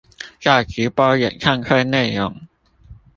在直播演唱會內容